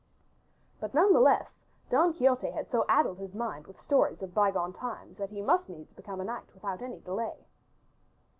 But none the less Don Quixote had so addled his mind with stories of bygone times that he must needs become a knight without any delay.